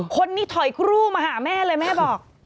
คนนี้ถอยครู่มาหาแม่เลยแม่บอก